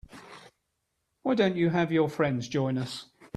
Why don't you have your friends join us?